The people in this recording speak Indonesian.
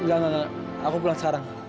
enggak enggak enggak aku pulang sekarang